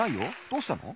どうしたの？